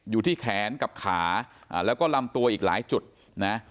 อยู่ที่แขนกับขาแล้วก็ลำตัวอีกหลายจุดนะ